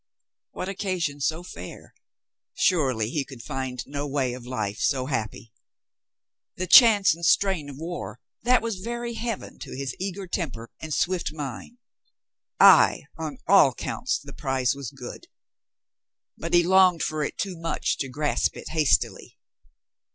What occasion so fair? Surely he could find no way of life so happy. The chance and strain of war, that was very Heaven to his eager temper and swift mind. Ay, on all counts the prize was good. But he longed for it too much to grasp it hastily.